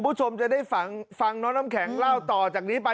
ถูกต้องเพราะว่าอะไรอ่ะ